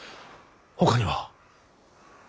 ほかには。